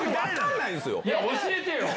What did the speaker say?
教えてよ！